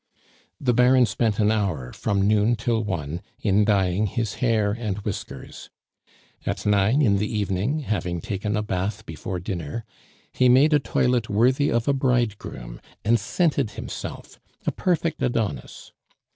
The Baron spent an hour, from noon till one, in dyeing his hair and whiskers. At nine in the evening, having taken a bath before dinner, he made a toilet worthy of a bridegroom and scented himself a perfect Adonis.